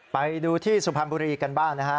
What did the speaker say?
ไปดูที่สุพรรณบุรีกันบ้างนะฮะ